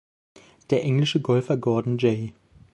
Der englische Golfer Gordon J.